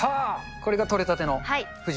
これが取れたてのふじ。